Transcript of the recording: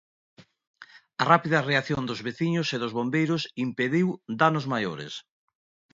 A rápida reacción dos veciños e dos bombeiros impediu danos maiores.